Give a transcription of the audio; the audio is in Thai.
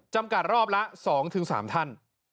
จำกัดรอบละ๒๓ท่าน